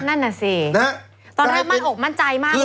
นั่นน่ะสิตอนแรกมั่นอกมั่นใจมาก